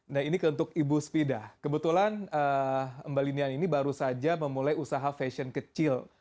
nah ini untuk ibu spidah kebetulan mbak linian ini baru saja memulai usaha fashion kecil